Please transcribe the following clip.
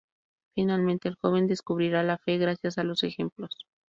Finalmente el joven, descubrirá la fe gracias a los ejemplos.